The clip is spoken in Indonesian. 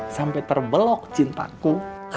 sampai terbelok cintaku